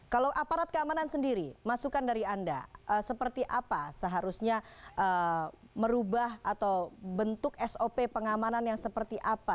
kalau aparat keamanan sendiri masukan dari anda seperti apa seharusnya merubah atau bentuk sop pengamanan yang seperti apa